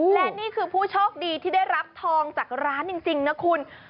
และนี่คือผู้โชคดีที่ได้รับทองจากร้านจริงนะคุณ